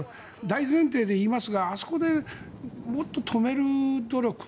大前提で言いますがあそこでもっと止める努力